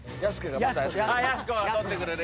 やす子が取ってくれる。